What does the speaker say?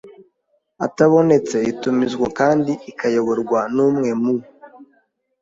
atabonetse itumizwa kandi ikayoborwa n umwe mu